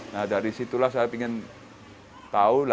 nah dari situlah saya ingin tahu